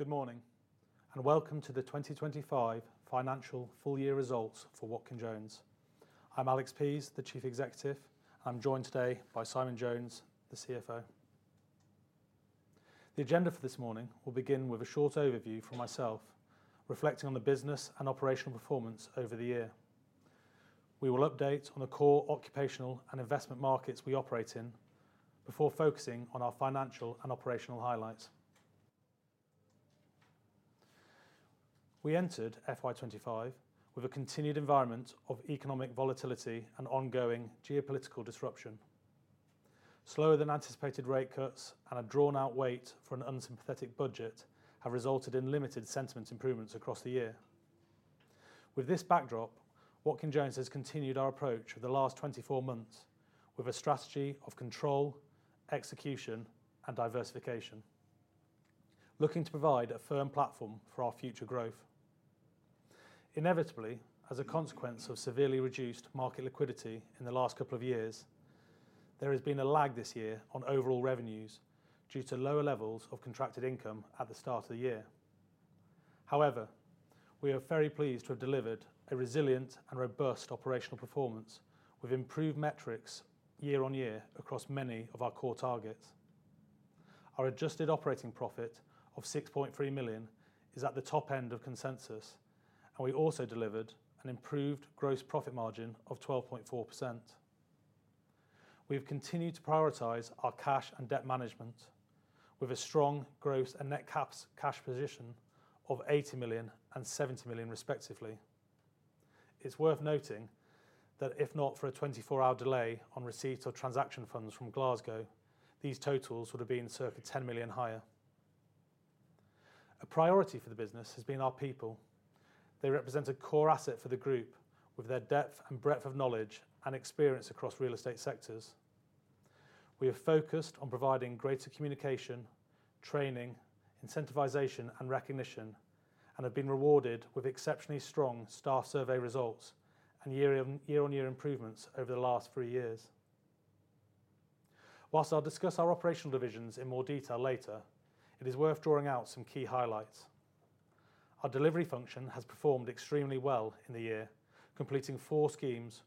Good morning, and welcome to the 2025 Financial Full-Year Results for Watkin Jones. I'm Alex Pease, the Chief Executive, and I'm joined today by Simon Jones, the CFO. The agenda for this morning will begin with a short overview from myself, reflecting on the business and operational performance over the year. We will update on the core occupational and investment markets we operate in before focusing on our financial and operational highlights. We entered FY 2025 with a continued environment of economic volatility and ongoing geopolitical disruption. Slower-than-anticipated rate cuts and a drawn-out wait for an unsympathetic budget have resulted in limited sentiment improvements across the year. With this backdrop, Watkin Jones has continued our approach for the last 24 months with a strategy of control, execution, and diversification, looking to provide a firm platform for our future growth. Inevitably, as a consequence of severely reduced market liquidity in the last couple of years, there has been a lag this year on overall revenues due to lower levels of contracted income at the start of the year. However, we are very pleased to have delivered a resilient and robust operational performance with improved metrics year-on-year across many of our core targets. Our adjusted operating profit of £6.3 million is at the top end of consensus, and we also delivered an improved gross profit margin of 12.4%. We have continued to prioritize our cash and debt management with a strong gross and net cash position of £80 million and £70 million, respectively. It's worth noting that if not for a 24-hour delay on receipt of transaction funds from Glasgow, these totals would have been circa £10 million higher. A priority for the business has been our people. They represent a core asset for the group with their depth and breadth of knowledge and experience across real estate sectors. We have focused on providing greater communication, training, incentivization, and recognition. We have been rewarded with exceptionally strong staff survey results and year-on-year improvements over the last three years. While I'll discuss our operational divisions in more detail later, it is worth drawing out some key highlights. Our delivery function has performed extremely well in the year, completing four schemes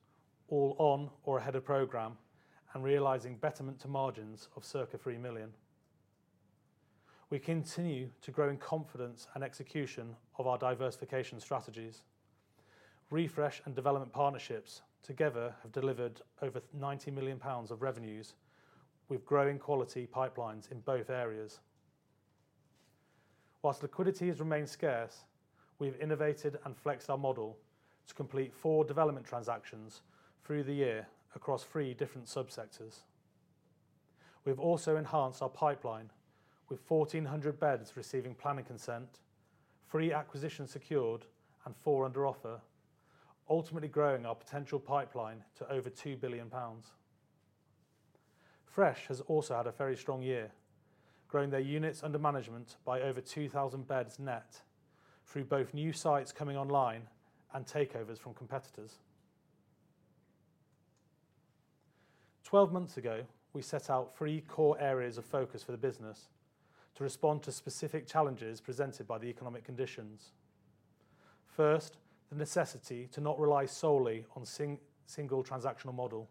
all on or ahead of program, and realizing betterment to margins of circa £3 million. We continue to grow in confidence and execution of our diversification strategies. Refresh and development partnerships together have delivered over £90 million of revenues with growing quality pipelines in both areas. While liquidity has remained scarce, we have innovated and flexed our model to complete four development transactions through the year across three different subsectors. We have also enhanced our pipeline with 1,400 beds receiving planning consent, three acquisitions secured, and four under offer, ultimately growing our potential pipeline to over £2 billion. Fresh has also had a very strong year, growing their units under management by over 2,000 beds net through both new sites coming online and takeovers from competitors. Twelve months ago, we set out three core areas of focus for the business to respond to specific challenges presented by the economic conditions. First, the necessity to not rely solely on a single transactional model.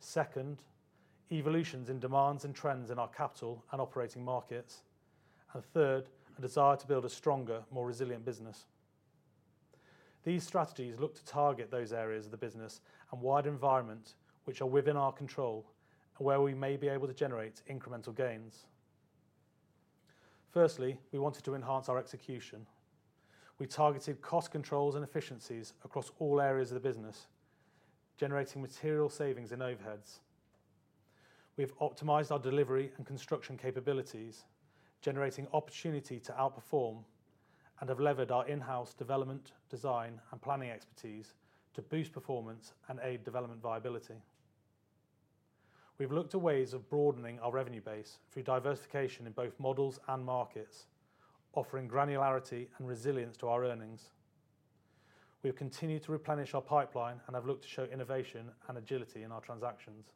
Second, evolutions in demands and trends in our capital and operating markets. And third, a desire to build a stronger, more resilient business. These strategies look to target those areas of the business and wider environments which are within our control and where we may be able to generate incremental gains. Firstly, we wanted to enhance our execution. We targeted cost controls and efficiencies across all areas of the business, generating material savings in overheads. We have optimized our delivery and construction capabilities, generating opportunity to outperform, and have levered our in-house development, design, and planning expertise to boost performance and aid development viability. We've looked at ways of broadening our revenue base through diversification in both models and markets, offering granularity and resilience to our earnings. We have continued to replenish our pipeline and have looked to show innovation and agility in our transactions.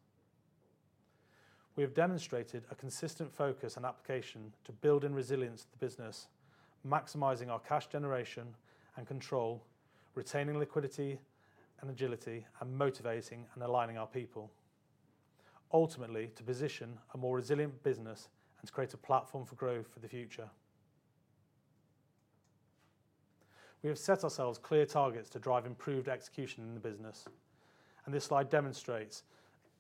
We have demonstrated a consistent focus and application to build in resilience to the business, maximizing our cash generation and control, retaining liquidity and agility, and motivating and aligning our people, ultimately to position a more resilient business and to create a platform for growth for the future. We have set ourselves clear targets to drive improved execution in the business, and this slide demonstrates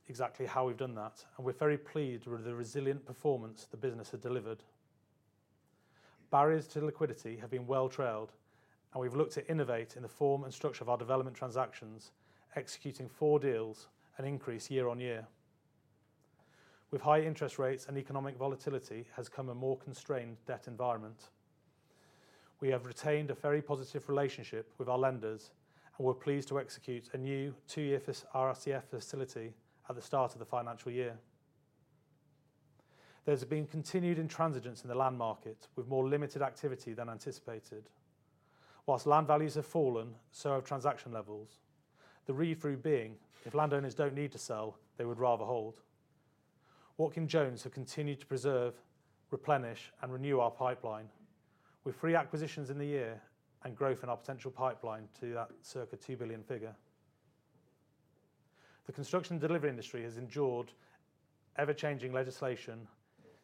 exactly how we've done that, and we're very pleased with the resilient performance the business has delivered. Barriers to liquidity have been well trailed, and we've looked to innovate in the form and structure of our development transactions, executing four deals, an increase year-on-year. With high interest rates and economic volatility, has come a more constrained debt environment. We have retained a very positive relationship with our lenders and were pleased to execute a new two-year RCF facility at the start of the financial year. There's been continued intransigence in the land market with more limited activity than anticipated. Whilst land values have fallen, so have transaction levels. The read-through being, if landowners don't need to sell, they would rather hold. Watkin Jones have continued to preserve, replenish, and renew our pipeline with three acquisitions in the year and growth in our potential pipeline to that circa £2 billion figure. The construction and delivery industry has endured ever-changing legislation,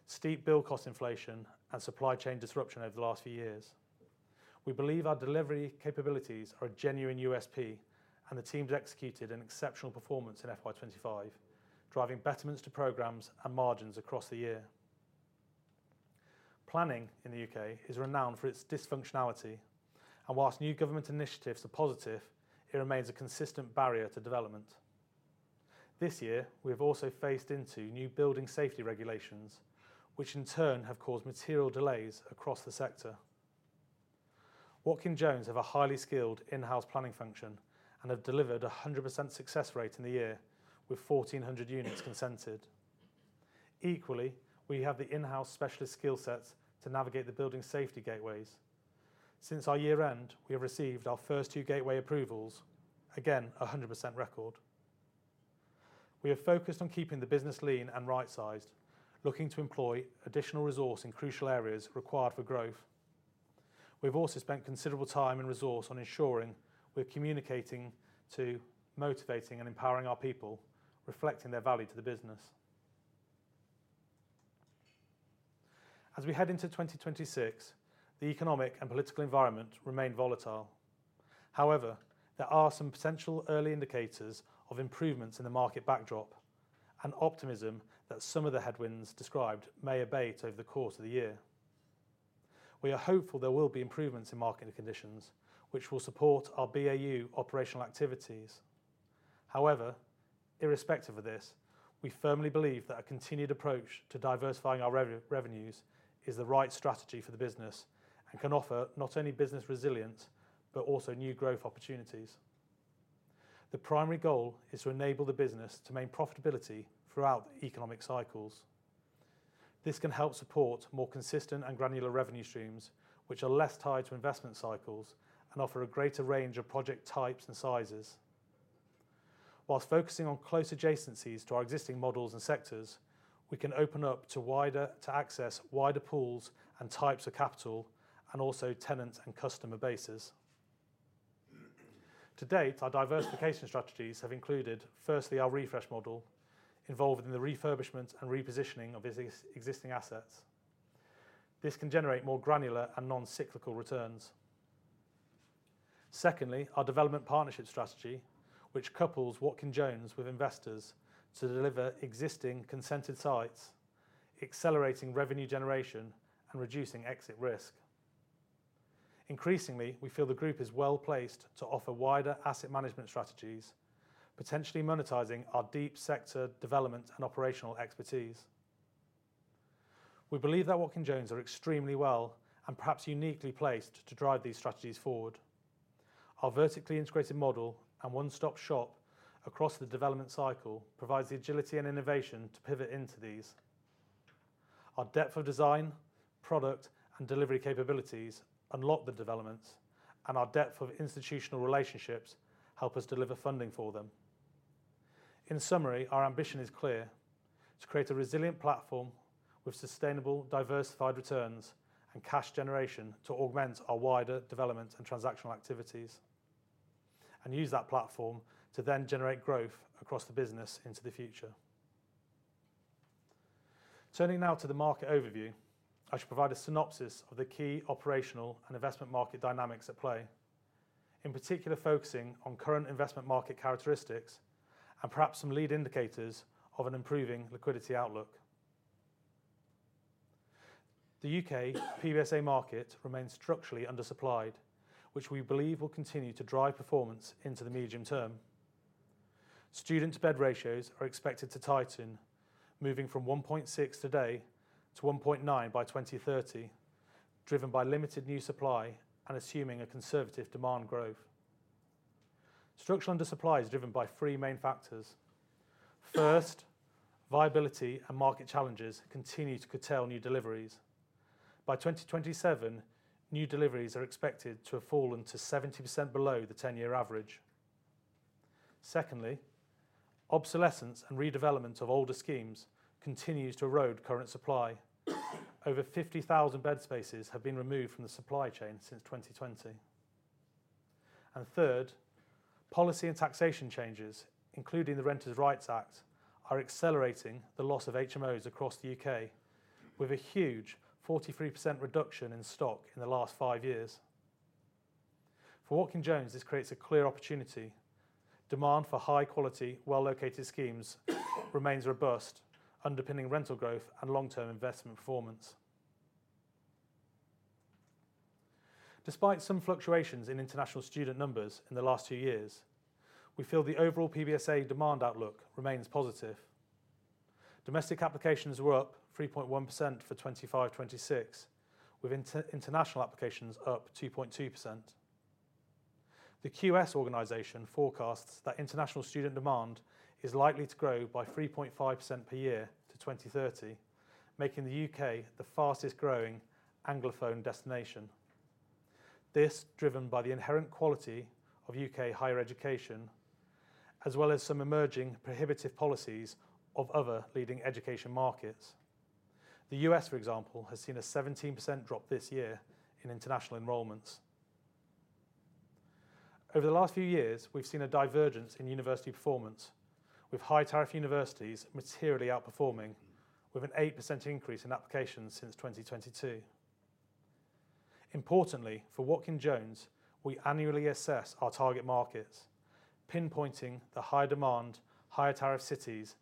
steep build cost inflation, and supply chain disruption over the last few years. We believe our delivery capabilities are a genuine USP, and the team's executed an exceptional performance in FY 2025, driving betterments to programs and margins across the year. Planning in the UK is renowned for its dysfunctionality, and whilst new government initiatives are positive, it remains a consistent barrier to development. This year, we have also faced into new building safety regulations, which in turn have caused material delays across the sector. Watkin Jones have a highly skilled in-house planning function and have delivered a 100% success rate in the year with 1,400 units consented. Equally, we have the in-house specialist skill sets to navigate the building safety gateways. Since our year-end, we have received our first two gateway approvals, again a 100% record. We have focused on keeping the business lean and right-sized, looking to employ additional resource in crucial areas required for growth. We've also spent considerable time and resource on ensuring we're committed to motivating and empowering our people, reflecting their value to the business. As we head into 2026, the economic and political environment remain volatile. However, there are some potential early indicators of improvements in the market backdrop and optimism that some of the headwinds described may abate over the course of the year. We are hopeful there will be improvements in market conditions, which will support our BAU operational activities. However, irrespective of this, we firmly believe that a continued approach to diversifying our revenues is the right strategy for the business and can offer not only business resilience but also new growth opportunities. The primary goal is to enable the business to maintain profitability throughout economic cycles. This can help support more consistent and granular revenue streams, which are less tied to investment cycles and offer a greater range of project types and sizes. While focusing on close adjacencies to our existing models and sectors, we can open up wider to access wider pools and types of capital and also tenant and customer bases. To date, our diversification strategies have included, firstly, our Refresh model involved in the refurbishment and repositioning of existing assets. This can generate more granular and non-cyclical returns. Secondly, our development partnership strategy, which couples Watkin Jones with investors to deliver existing consented sites, accelerating revenue generation and reducing exit risk. Increasingly, we feel the group is well placed to offer wider asset management strategies, potentially monetizing our deep sector development and operational expertise. We believe that Watkin Jones are extremely well and perhaps uniquely placed to drive these strategies forward. Our vertically integrated model and one-stop shop across the development cycle provides the agility and innovation to pivot into these. Our depth of design, product, and delivery capabilities unlock the developments, and our depth of institutional relationships help us deliver funding for them. In summary, our ambition is clear: to create a resilient platform with sustainable diversified returns and cash generation to augment our wider development and transactional activities, and use that platform to then generate growth across the business into the future. Turning now to the market overview, I should provide a synopsis of the key operational and investment market dynamics at play, in particular focusing on current investment market characteristics and perhaps some lead indicators of an improving liquidity outlook. The UK PBSA market remains structurally undersupplied, which we believe will continue to drive performance into the medium term. Student-to-bed ratios are expected to tighten, moving from 1.6:1 today to 1.9:1 by 2030, driven by limited new supply and assuming a conservative demand growth. Structural undersupply is driven by three main factors. First, viability and market challenges continue to curtail new deliveries. By 2027, new deliveries are expected to have fallen to 70% below the 10-year average. Secondly, obsolescence and redevelopment of older schemes continues to erode current supply. Over 50,000 bed spaces have been removed from the supply chain since 2020. And third, policy and taxation changes, including the Renters' Rights Act, are accelerating the loss of HMOs across the UK, with a huge 43% reduction in stock in the last five years. For Watkin Jones, this creates a clear opportunity. Demand for high-quality, well-located schemes remains robust, underpinning rental growth and long-term investment performance. Despite some fluctuations in international student numbers in the last two years, we feel the overall PBSA demand outlook remains positive. Domestic applications were up 3.1% for 2025-2026, with international applications up 2.2%. The QS organization forecasts that international student demand is likely to grow by 3.5% per year to 2030, making the UK the fastest-growing Anglophone destination. This is driven by the inherent quality of UK higher education, as well as some emerging prohibitive policies of other leading education markets. The US, for example, has seen a 17% drop this year in international enrollments. Over the last few years, we've seen a divergence in university performance, with high-tariff universities materially outperforming, with an 8% increase in applications since 2022. Importantly, for Watkin Jones, we annually assess our target markets, pinpointing the high-demand, higher-tariff cities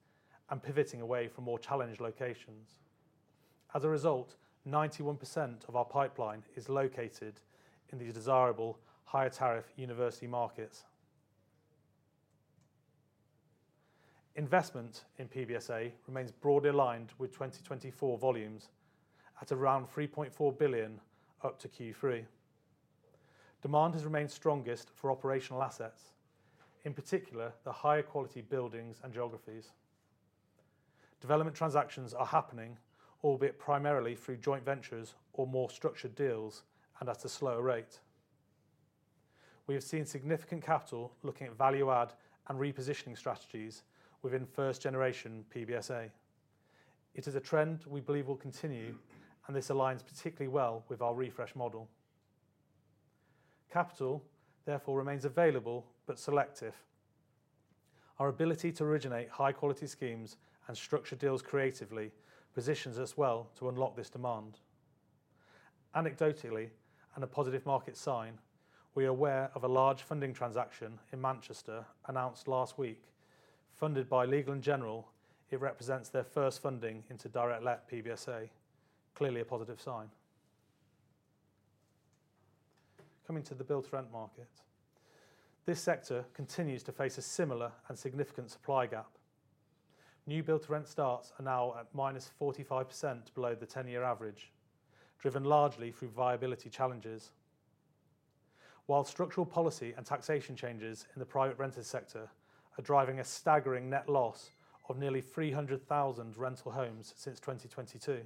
and pivoting away from more challenged locations. As a result, 91% of our pipeline is located in these desirable higher-tariff university markets. Investment in PBSA remains broadly aligned with 2024 volumes at around £3.4 billion up to Q3. Demand has remained strongest for operational assets, in particular the higher-quality buildings and geographies. Development transactions are happening, albeit primarily through joint ventures or more structured deals and at a slower rate. We have seen significant capital looking at value-add and repositioning strategies within first-generation PBSA. It is a trend we believe will continue, and this aligns particularly well with our Refresh model. Capital, therefore, remains available but selective. Our ability to originate high-quality schemes and structure deals creatively positions us well to unlock this demand. Anecdotally, and a positive market sign, we are aware of a large funding transaction in Manchester announced last week. Funded by Legal & General, it represents their first funding into direct-let PBSA, clearly a positive sign. Coming to the build-to-rent market, this sector continues to face a similar and significant supply gap. New build-to-rent starts are now at -45% below the 10-year average, driven largely through viability challenges. While structural policy and taxation changes in the private rented sector are driving a staggering net loss of nearly 300,000 rental homes since 2022,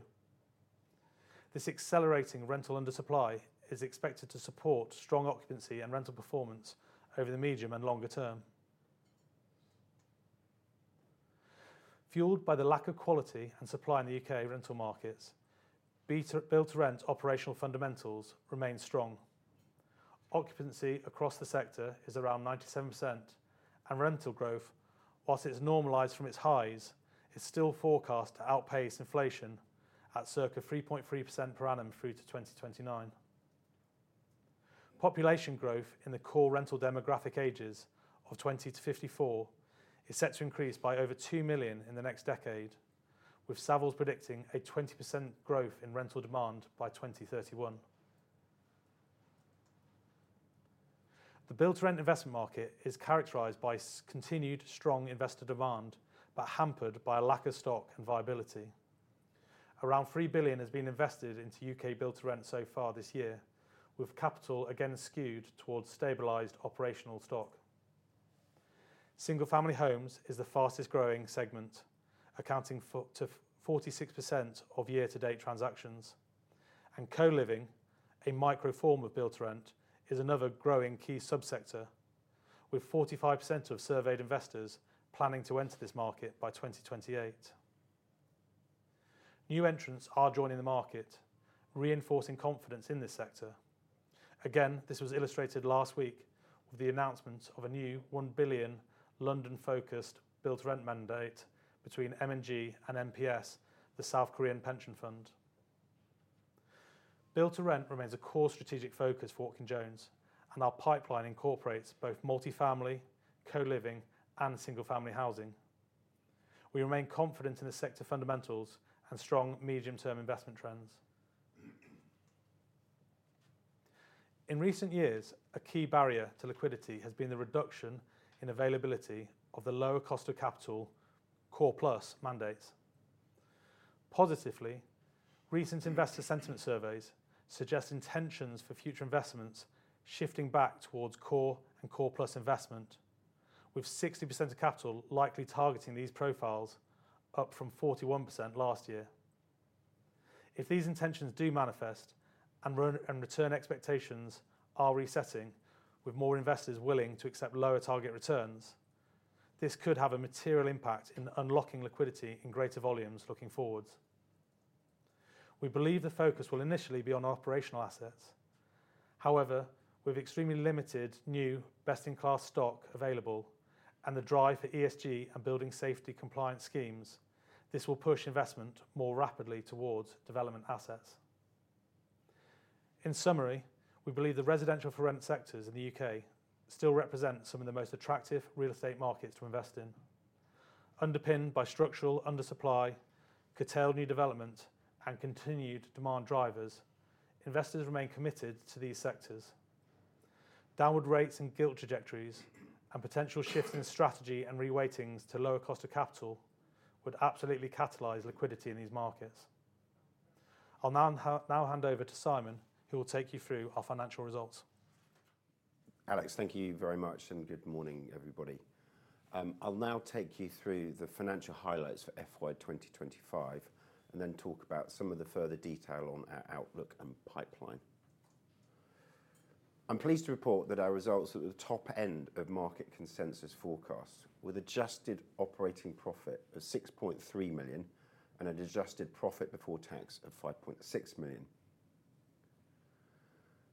this accelerating rental undersupply is expected to support strong occupancy and rental performance over the medium and longer term. Fueled by the lack of quality and supply in the UK rental markets, build-to-rent operational fundamentals remain strong. Occupancy across the sector is around 97%, and rental growth, while it has normalized from its highs, is still forecast to outpace inflation at circa 3.3% per annum through to 2029. Population growth in the core rental demographic ages of 20 to 54 is set to increase by over two million in the next decade, with Savills predicting a 20% growth in rental demand by 2031. The build-to-rent investment market is characterized by continued strong investor demand but hampered by a lack of stock and viability. Around £3 billion has been invested into UK build-to-rent so far this year, with capital again skewed towards stabilized operational stock. Single-family homes is the fastest-growing segment, accounting for 46% of year-to-date transactions, and Co-living, a microform of build-to-rent, is another growing key sub-sector, with 45% of surveyed investors planning to enter this market by 2028. New entrants are joining the market, reinforcing confidence in this sector. Again, this was illustrated last week with the announcement of a new £1 billion London-focused build-to-rent mandate between M&G and NPS, the South Korean pension fund. Build-to-rent remains a core strategic focus for Watkin Jones, and our pipeline incorporates both multi-family, Co-living, and single-family housing. We remain confident in the sector fundamentals and strong medium-term investment trends. In recent years, a key barrier to liquidity has been the reduction in availability of the lower cost of capital core plus mandates. Positively, recent investor sentiment surveys suggest intentions for future investments shifting back towards core and core plus investment, with 60% of capital likely targeting these profiles, up from 41% last year. If these intentions do manifest and return expectations are resetting, with more investors willing to accept lower target returns, this could have a material impact in unlocking liquidity in greater volumes looking forward. We believe the focus will initially be on operational assets. However, with extremely limited new best-in-class stock available and the drive for ESG and building safety compliance schemes, this will push investment more rapidly towards development assets. In summary, we believe the residential for rent sectors in the UK still represent some of the most attractive real estate markets to invest in. Underpinned by structural undersupply, curtailed new development, and continued demand drivers, investors remain committed to these sectors. Downward rates and gilt trajectories, and potential shifts in strategy and re-weightings to lower cost of capital would absolutely catalyze liquidity in these markets. I'll now hand over to Simon, who will take you through our financial results. Alex, thank you very much, and good morning, everybody. I'll now take you through the financial highlights for FY 2025 and then talk about some of the further detail on our outlook and pipeline. I'm pleased to report that our results are at the top end of market consensus forecasts, with adjusted operating profit of £6.3 million and an adjusted profit before tax of £5.6 million.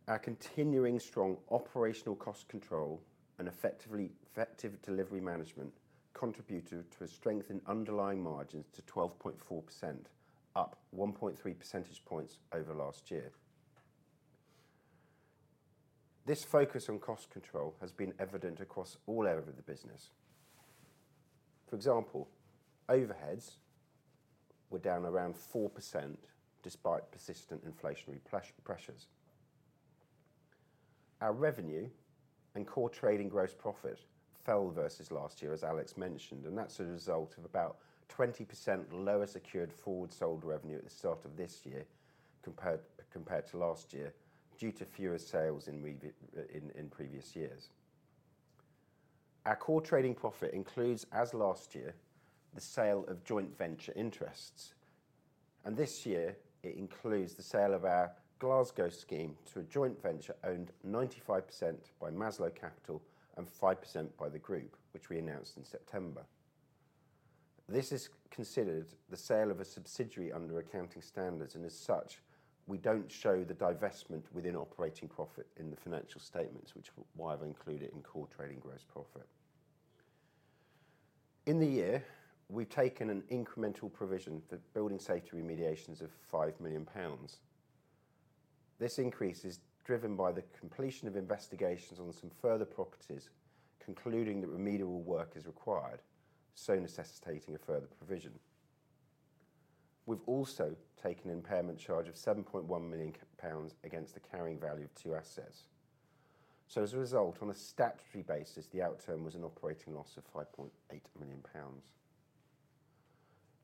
Our continuing strong operational cost control and effective delivery management contributed to a strengthened underlying margin to 12.4%, up 1.3 percentage points over last year. This focus on cost control has been evident across all areas of the business. For example, overheads were down around 4% despite persistent inflationary pressures. Our revenue and core trading gross profit fell versus last year, as Alex mentioned, and that's a result of about 20% lower secured forward sold revenue at the start of this year compared to last year due to fewer sales in previous years. Our core trading profit includes, as last year, the sale of joint venture interests, and this year it includes the sale of our Glasgow scheme to a joint venture owned 95% by Maslow Capital and 5% by the Group, which we announced in September. This is considered the sale of a subsidiary under accounting standards, and as such, we don't show the divestment within operating profit in the financial statements, which is why I've included it in core trading gross profit. In the year, we've taken an incremental provision for building safety remediations of £5 million. This increase is driven by the completion of investigations on some further properties, concluding that remedial work is required, so necessitating a further provision. We've also taken an impairment charge of £7.1 million against the carrying value of two assets. So, as a result, on a statutory basis, the outcome was an operating loss of £5.8 million.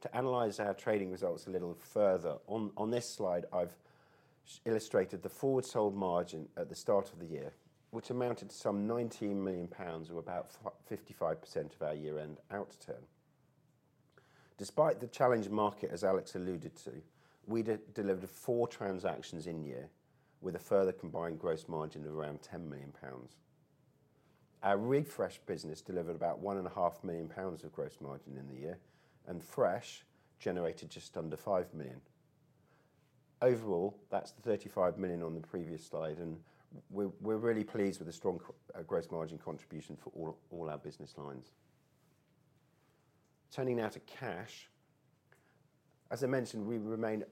To analyze our trading results a little further, on this slide, I've illustrated the forward sold margin at the start of the year, which amounted to some £19 million, or about 55% of our year-end outturn. Despite the challenged market, as Alex alluded to, we delivered four transactions in year with a further combined gross margin of around £10 million. Our Refresh business delivered about £1.5 million of gross margin in the year, and Fresh generated just under £5 million. Overall, that's the £35 million on the previous slide, and we're really pleased with the strong gross margin contribution for all our business lines. Turning now to cash, as I mentioned, we remain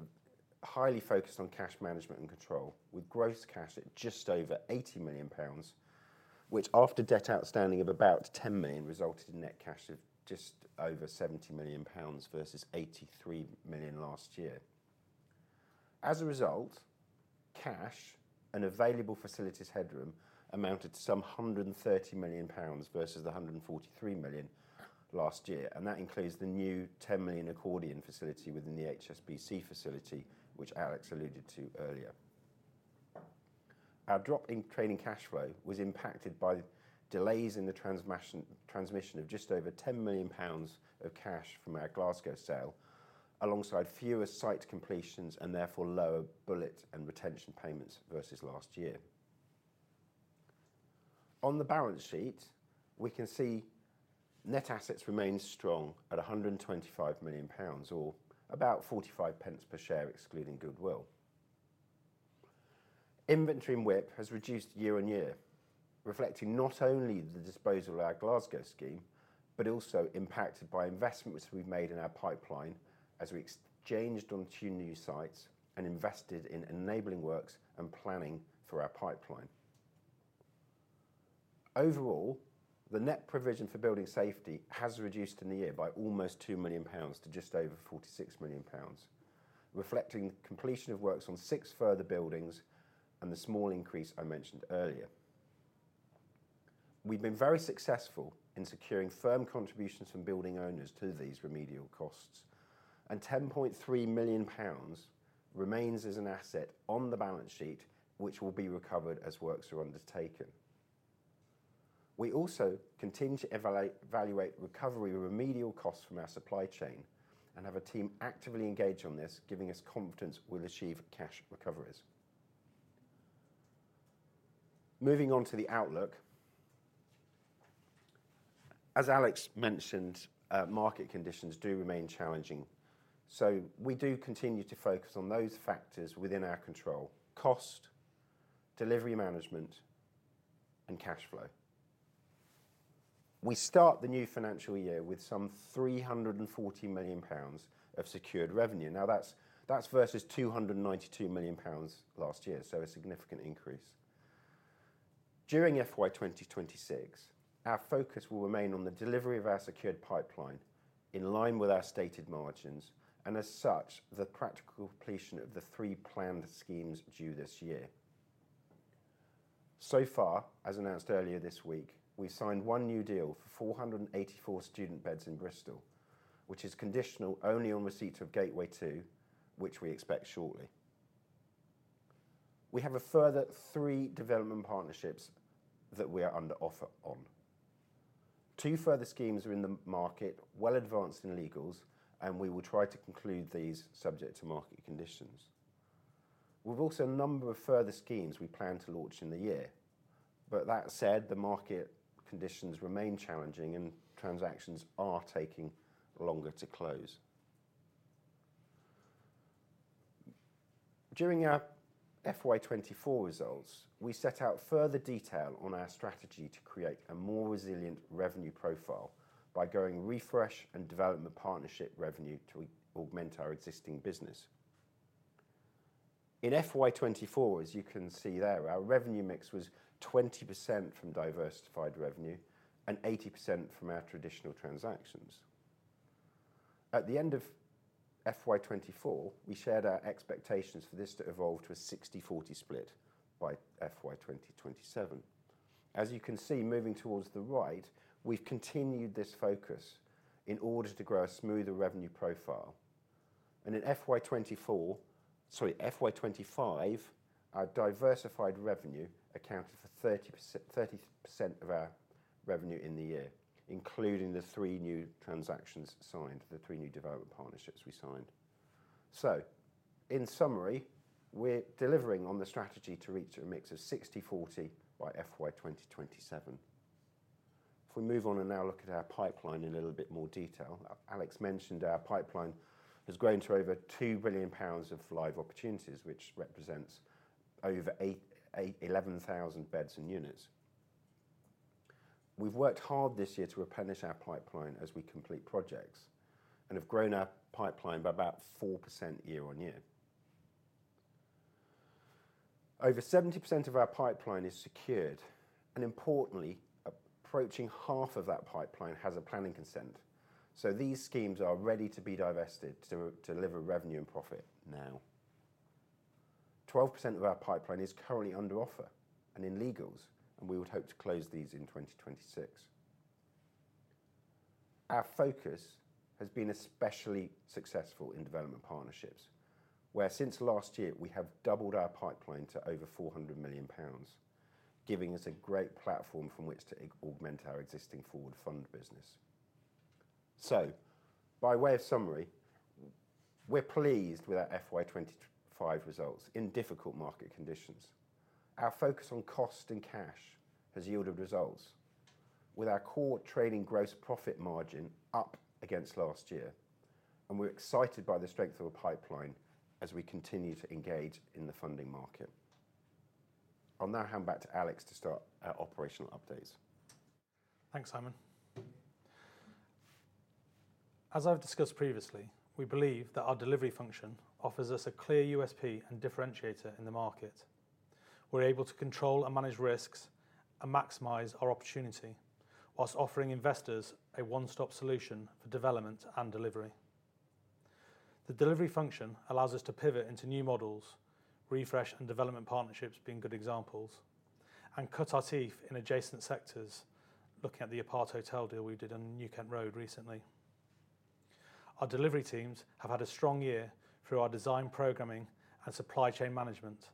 highly focused on cash management and control, with gross cash at just over £80 million, which, after debt outstanding of about £10 million, resulted in net cash of just over £70 million versus £83 million last year. As a result, cash and available facilities headroom amounted to some £130 million versus the £143 million last year, and that includes the new £10 million accordion facility within the HSBC facility, which Alex alluded to earlier. Our drop in trading cash flow was impacted by delays in the transmission of just over £10 million of cash from our Glasgow sale, alongside fewer site completions and therefore lower bullet and retention payments versus last year. On the balance sheet, we can see net assets remain strong at £125 million, or about £0.45 per share excluding goodwill. Inventory in WIP has reduced year on year, reflecting not only the disposal of our Glasgow scheme but also impacted by investments we've made in our pipeline as we exchanged on two new sites and invested in enabling works and planning for our pipeline. Overall, the net provision for building safety has reduced in the year by almost £2 million to just over £46 million, reflecting completion of works on six further buildings and the small increase I mentioned earlier. We've been very successful in securing firm contributions from building owners to these remedial costs, and £10.3 million remains as an asset on the balance sheet, which will be recovered as works are undertaken. We also continue to evaluate recovery remedial costs from our supply chain and have a team actively engaged on this, giving us confidence we'll achieve cash recoveries. Moving on to the outlook, as Alex mentioned, market conditions do remain challenging, so we do continue to focus on those factors within our control: cost, delivery management, and cash flow. We start the new financial year with some £340 million of secured revenue. Now, that's versus £292 million last year, so a significant increase. During FY 2026, our focus will remain on the delivery of our secured pipeline in line with our stated margins and, as such, the practical completion of the three planned schemes due this year. So far, as announced earlier this week, we've signed one new deal for 484 student beds in Bristol, which is conditional only on receipt of Gateway 2, which we expect shortly. We have a further three development partnerships that we are under offer on. Two further schemes are in the market, well advanced in legals, and we will try to conclude these subject to market conditions. We've also a number of further schemes we plan to launch in the year, but that said, the market conditions remain challenging and transactions are taking longer to close. During our FY 2024 results, we set out further detail on our strategy to create a more resilient revenue profile by going Refresh and development partnership revenue to augment our existing business. In FY 2024, as you can see there, our revenue mix was 20% from diversified revenue and 80% from our traditional transactions. At the end of FY 2024, we shared our expectations for this to evolve to a 60/40 split by FY 2027. As you can see, moving towards the right, we've continued this focus in order to grow a smoother revenue profile. And in FY 2025, our diversified revenue accounted for 30% of our revenue in the year, including the three new transactions signed, the three new development partnerships we signed. So, in summary, we're delivering on the strategy to reach a mix of 60/40 by FY 2027. If we move on and now look at our pipeline in a little bit more detail, Alex mentioned our pipeline has grown to over £2 billion of live opportunities, which represents over 11,000 beds and units. We've worked hard this year to replenish our pipeline as we complete projects and have grown our pipeline by about 4% year on year. Over 70% of our pipeline is secured, and importantly, approaching half of that pipeline has a planning consent, so these schemes are ready to be divested to deliver revenue and profit now. 12% of our pipeline is currently under offer and in legals, and we would hope to close these in 2026. Our focus has been especially successful in development partnerships, where since last year we have doubled our pipeline to over £400 million, giving us a great platform from which to augment our existing forward fund business. So, by way of summary, we're pleased with our FY 2025 results in difficult market conditions. Our focus on cost and cash has yielded results, with our core trading gross profit margin up against last year, and we're excited by the strength of our pipeline as we continue to engage in the funding market. I'll now hand back to Alex to start our operational updates. Thanks, Simon. As I've discussed previously, we believe that our delivery function offers us a clear USP and differentiator in the market. We're able to control and manage risks and maximize our opportunity while offering investors a one-stop solution for development and delivery. The delivery function allows us to pivot into new models, Refresh and development partnerships being good examples, and cut our teeth in adjacent sectors, looking at the aparthotel deal we did on New Kent Road recently. Our delivery teams have had a strong year through our design programming and supply chain management,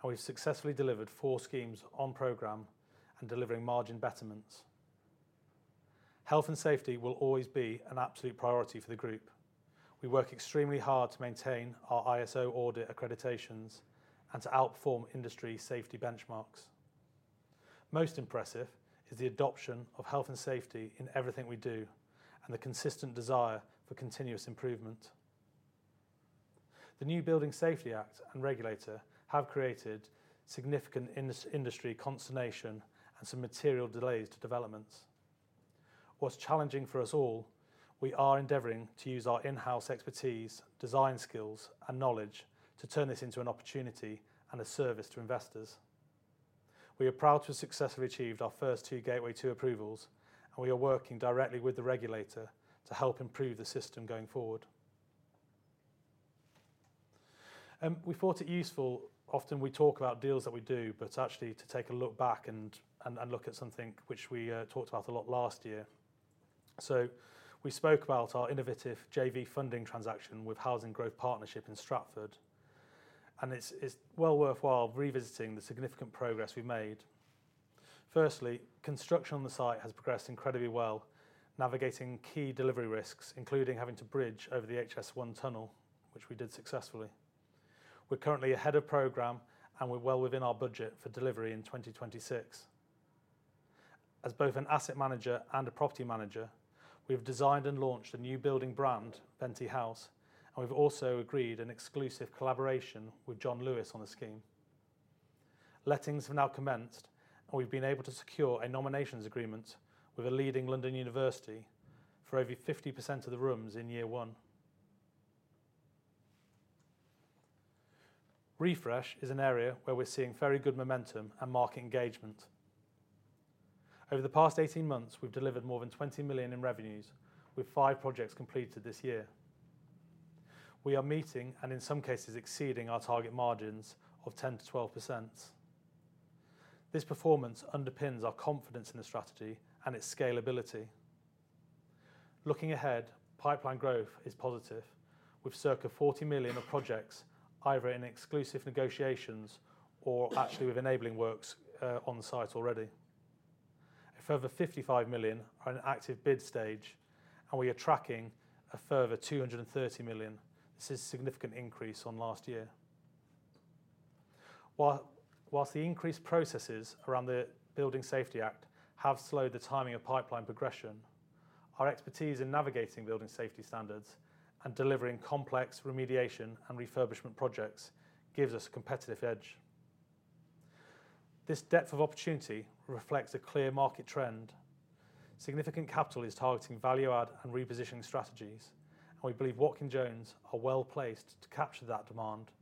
and we've successfully delivered four schemes on program and delivering margin betterments. Health and safety will always be an absolute priority for the Group. We work extremely hard to maintain our ISO audit accreditations and to outperform industry safety benchmarks. Most impressive is the adoption of health and safety in everything we do and the consistent desire for continuous improvement. The new Building Safety Act and regulator have created significant industry consternation and some material delays to developments. While challenging for us all, we are endeavoring to use our in-house expertise, design skills, and knowledge to turn this into an opportunity and a service to investors. We are proud to have successfully achieved our first two Gateway 2 approvals, and we are working directly with the regulator to help improve the system going forward. We thought it useful, often we talk about deals that we do, but actually to take a look back and look at something which we talked about a lot last year. So, we spoke about our innovative JV funding transaction with Housing Growth Partnership in Stratford, and it's well worthwhile revisiting the significant progress we made. Firstly, construction on the site has progressed incredibly well, navigating key delivery risks, including having to bridge over the HS1 tunnel, which we did successfully. We're currently ahead of program, and we're well within our budget for delivery in 2026. As both an asset manager and a property manager, we've designed and launched a new building brand, Bentley House, and we've also agreed an exclusive collaboration with John Lewis on the scheme. Lettings have now commenced, and we've been able to secure a nominations agreement with a leading London university for over 50% of the rooms in year one. Refresh is an area where we're seeing very good momentum and market engagement. Over the past 18 months, we've delivered more than £20 million in revenues, with five projects completed this year. We are meeting and, in some cases, exceeding our target margins of 10% to 12%. This performance underpins our confidence in the strategy and its scalability. Looking ahead, pipeline growth is positive, with circa £40 million of projects either in exclusive negotiations or actually with enabling works on site already. A further £55 million are in active bid stage, and we are tracking a further £230 million. This is a significant increase from last year. While the increased processes around the Building Safety Act have slowed the timing of pipeline progression, our expertise in navigating building safety standards and delivering complex remediation and refurbishment projects gives us a competitive edge. This depth of opportunity reflects a clear market trend. Significant capital is targeting value-add and repositioning strategies, and we believe Watkin Jones are well placed to capture that demand,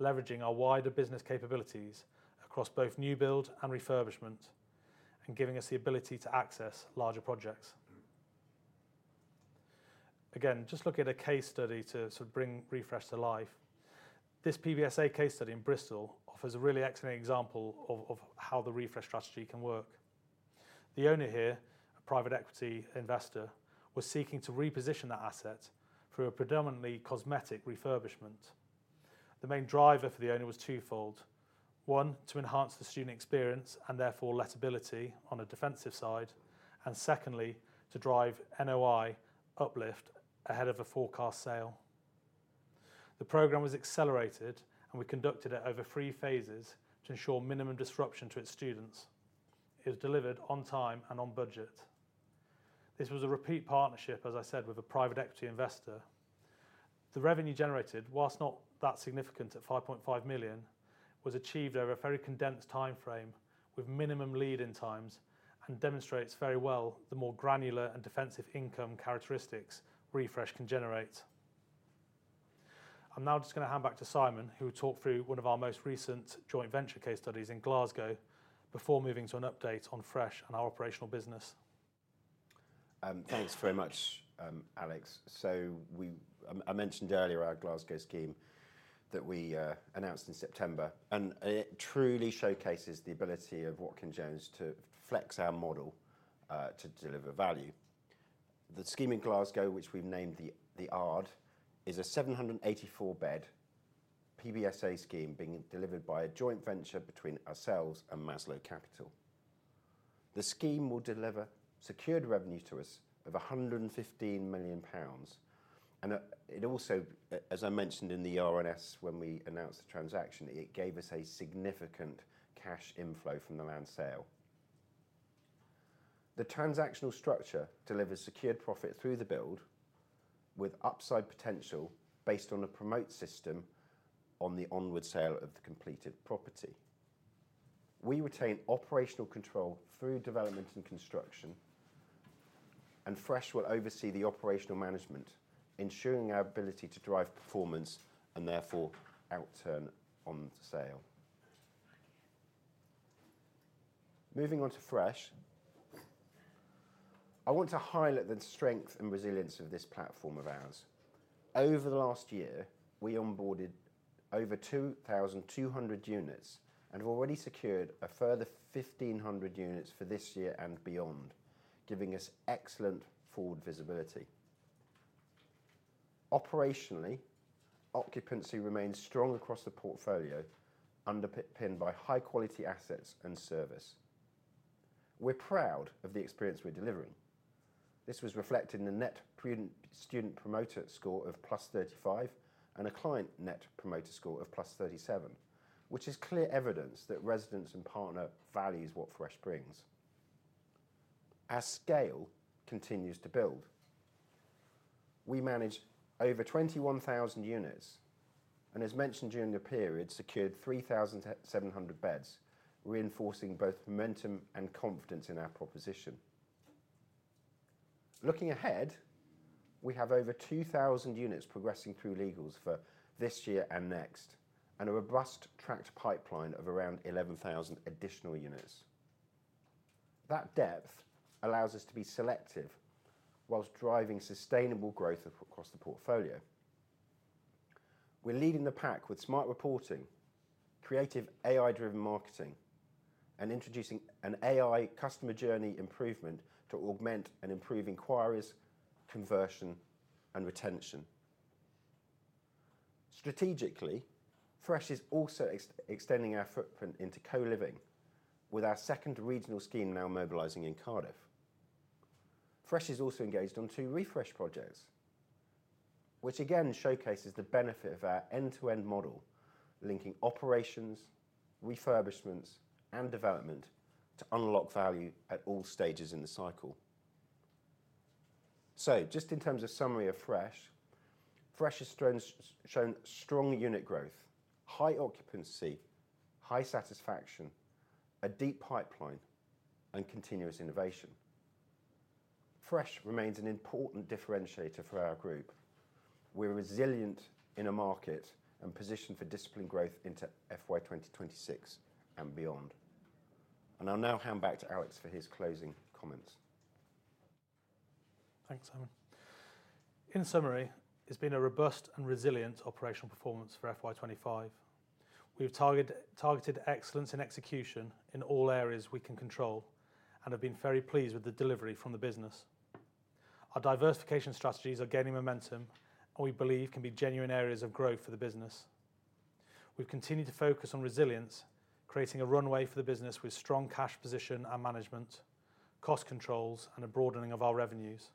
leveraging our wider business capabilities across both new build and refurbishment and giving us the ability to access larger projects. Again, just looking at a case study to sort of bring Refresh to life, this PBSA case study in Bristol offers a really excellent example of how the Refresh strategy can work. The owner here, a private equity investor, was seeking to reposition that asset through a predominantly cosmetic refurbishment. The main driver for the owner was twofold: one, to enhance the student experience and therefore lettability on a defensive side, and secondly, to drive NOI uplift ahead of a forecast sale. The program was accelerated, and we conducted it over three phases to ensure minimum disruption to its students. It was delivered on time and on budget. This was a repeat partnership, as I said, with a private equity investor. The revenue generated, whilst not that significant at £5.5 million, was achieved over a very condensed timeframe, with minimum lead-in times, and demonstrates very well the more granular and defensive income characteristics Refresh can generate. I'm now just going to hand back to Simon, who will talk through one of our most recent joint venture case studies in Glasgow before moving to an update on Fresh and our operational business. Thanks very much, Alex. So, I mentioned earlier our Glasgow scheme that we announced in September, and it truly showcases the ability of Watkin Jones to flex our model to deliver value. The scheme in Glasgow, which we've named The Ard, is a 784-bed PBSA scheme being delivered by a joint venture between ourselves and Maslow Capital. The scheme will deliver secured revenue to us of £115 million, and it also, as I mentioned in the RNS when we announced the transaction, it gave us a significant cash inflow from the land sale. The transactional structure delivers secured profit through the build with upside potential based on a promote system on the onward sale of the completed property. We retain operational control through development and construction, and Fresh will oversee the operational management, ensuring our ability to drive performance and therefore outturn on sale. Moving on to Fresh, I want to highlight the strength and resilience of this platform of ours. Over the last year, we onboarded over 2,200 units and have already secured a further 1,500 units for this year and beyond, giving us excellent forward visibility. Operationally, occupancy remains strong across the portfolio, underpinned by high-quality assets and service. We're proud of the experience we're delivering. This was reflected in a Net Promoter Score of +35 and a client Net Promoter Score of +37, which is clear evidence that residents and partners value what Fresh brings. As scale continues to build, we manage over 21,000 units and, as mentioned during the period, secured 3,700 beds, reinforcing both momentum and confidence in our proposition. Looking ahead, we have over 2,000 units progressing through legals for this year and next and a robust tracked pipeline of around 11,000 additional units. That depth allows us to be selective whilst driving sustainable growth across the portfolio. We're leading the pack with smart reporting, creative AI-driven marketing, and introducing an AI customer journey improvement to augment and improve inquiries, conversion, and retention. Strategically, Fresh is also extending our footprint into Co-living, with our second regional scheme now mobilising in Cardiff. Fresh is also engaged on two Refresh projects, which again showcases the benefit of our end-to-end model, linking operations, refurbishments, and development to unlock value at all stages in the cycle. So, just in terms of summary of Fresh, Fresh has shown strong unit growth, high occupancy, high satisfaction, a deep pipeline, and continuous innovation. Fresh remains an important differentiator for our Group. We're resilient in a market and positioned for disciplined growth into FY 2026 and beyond, and I'll now hand back to Alex for his closing comments. Thanks, Simon. In summary, it's been a robust and resilient operational performance for FY 2025. We've targeted excellence in execution in all areas we can control and have been very pleased with the delivery from the business. Our diversification strategies are gaining momentum, and we believe can be genuine areas of growth for the business. We've continued to focus on resilience, creating a runway for the business with strong cash position and management, cost controls, and a broadening of our revenues.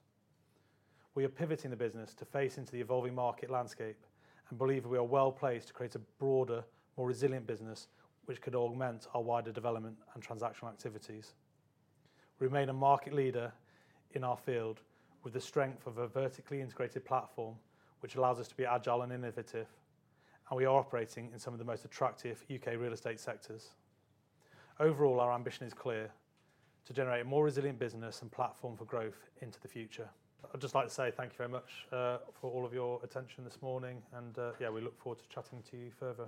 We are pivoting the business to face into the evolving market landscape and believe we are well placed to create a broader, more resilient business, which could augment our wider development and transactional activities. We remain a market leader in our field with the strength of a vertically integrated platform, which allows us to be agile and innovative, and we are operating in some of the most attractive UK real estate sectors. Overall, our ambition is clear: to generate a more resilient business and platform for growth into the future. I'd just like to say thank you very much for all of your attention this morning, and yeah, we look forward to chatting to you further.